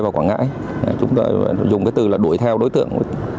quảng ngãi chúng tôi dùng cái từ là đuổi theo đối tượng